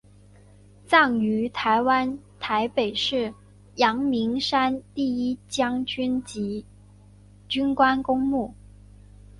葬于台湾台北市阳明山第一将级军官公墓